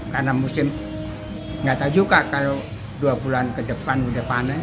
karena musim nggak tahu juga kalau dua bulan ke depan udah panas